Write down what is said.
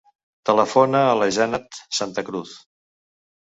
Telefona a la Jannat Santa Cruz.